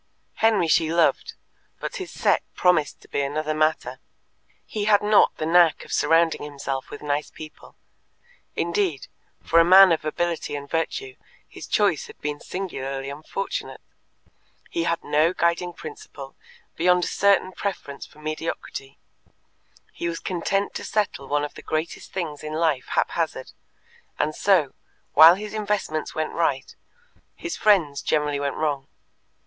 Henry she loved, but his set promised to be another matter. He had not the knack of surrounding himself with nice people indeed, for a man of ability and virtue his choice had been singularly unfortunate; he had no guiding principle beyond a certain preference for mediocrity; he was content to settle one of the greatest things in life haphazard, and so, while his investments went right, his friends generally went wrong.